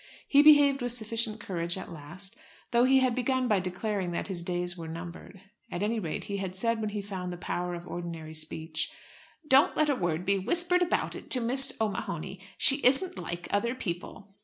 He behaved with sufficient courage at last, though he had begun by declaring that his days were numbered. At any rate he had said when he found the power of ordinary speech, "Don't let a word be whispered about it to Miss O'Mahony; she isn't like other people."